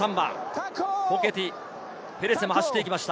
フォケティとペレセも走っていきました。